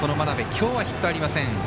今日はヒットありません。